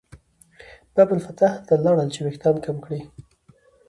باب الفتح ته لاړل چې وېښتان کم کړي.